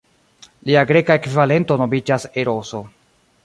Lia greka ekvivalento nomiĝas Eroso.